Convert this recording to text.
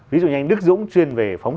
ví dụ như anh đức dũng chuyên về phóng